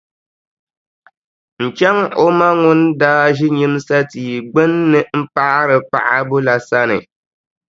N-chaŋ o ma ŋun daa ʒi nyimsa tia gbunni m-paɣiri paɣibu la sani.